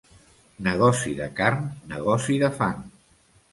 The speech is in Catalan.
Negoci de carn, negoci de fang.